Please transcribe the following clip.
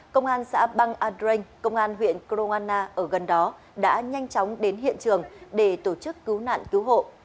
công an xã băng andren công an huyện kroana ở gần đó đã nhanh chóng đến hiện trường để tổ chức cứu nạn cứu hộ